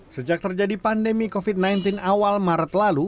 sejak terjadi pandemi covid sembilan belas awal maret lalu